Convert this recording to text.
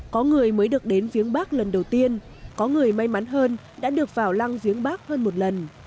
có người mới được đến viếng bác lần đầu tiên có người may mắn hơn đã được vào lăng viếng bác hơn một lần